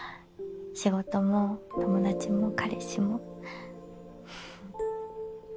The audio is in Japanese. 仕事も友達も彼氏も。